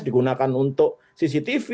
digunakan untuk cctv